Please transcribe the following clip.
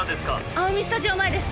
あおみスタジオ前です。